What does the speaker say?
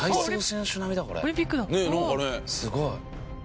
すごい。